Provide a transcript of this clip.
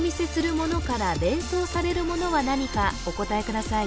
ものから連想されるものは何かお答えください